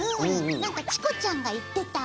なんかチコちゃんが言ってた。